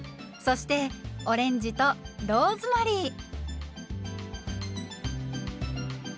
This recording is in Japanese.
そしてオレンジとローズマリー。